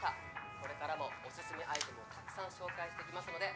これからもオススメアイテムをたくさん紹介していきますので。